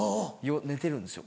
寝てるんですよ